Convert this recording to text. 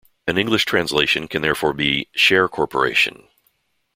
An English translation can therefore be "share corporation".